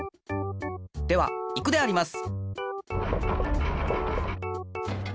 ではいくであります！